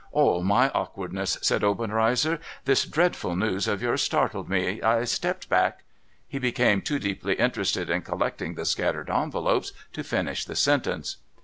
' All my awkwardness,' said Obenreizer. ' This dreadful news of yours startled me; I stepped back ' He became too deeply interested in collecting the scattered envelopes to finish the sentence.